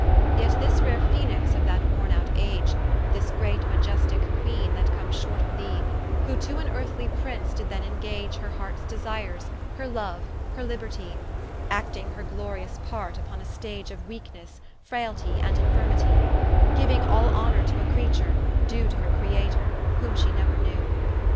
Yet this rare Phœnix of that worne out age, This great maiesticke Queene comes short of thee, Who to an earthly Prince did then ingage Her hearts desires, her loue, her libertie, Acting her glorious part vpon a Stage Of weaknesse, frailtie, and infirmity: Giuing all honour to a Creature, due To her Creator, whom shee neuer knew.